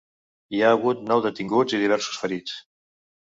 Hi ha hagut nou detinguts i diversos ferits.